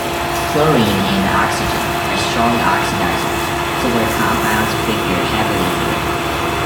Chlorine and oxygen are strong oxidizers, so their compounds figure heavily here.